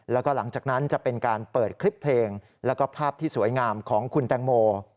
แล้วก็หลังจากนั้นจะเป็นการเปิดคลิปเพลงแล้วก็ภาพที่สวยงามของคุณแตงโม